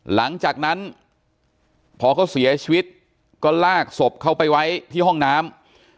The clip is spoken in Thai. หลังจากนั้นพอเขาเสียชีวิตก็ลากศพเขาไปไว้ที่ห้องน้ำ